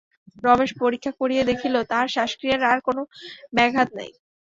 রমেশ পরীক্ষা করিয়া দেখিল, তাহার শ্বাসক্রিয়ার আর কোনো ব্যাঘাত নাই।